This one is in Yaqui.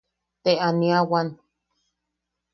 Te aniawan.